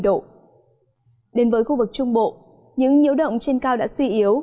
đến với khu vực trung bộ những nhiễu động trên cao đã suy yếu